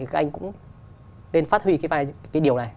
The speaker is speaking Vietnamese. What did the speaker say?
các anh cũng nên phát huy cái điều này